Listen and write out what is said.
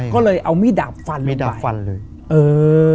ก็เลยเอามีดอาบฟันลงไป